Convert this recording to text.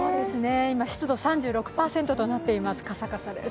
今、湿度３６％となっています、カサカサです。